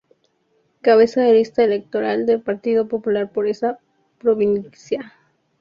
Cabeza de lista electoral del Partido Popular por esa provincia.